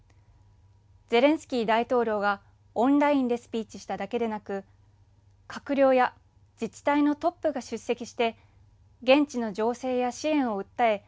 ゼレンスキー大統領がオンラインでスピーチしただけでなく閣僚や自治体のトップが出席して現地の情勢や支援を訴え